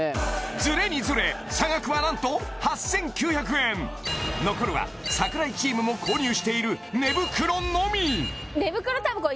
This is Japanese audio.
ズレにズレ差額は何と８９００円残るは櫻井チームも購入している寝袋のみ急に？